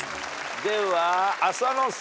では浅野さん。